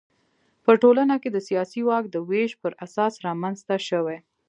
په ټولنه کې د سیاسي واک د وېش پر اساس رامنځته شوي.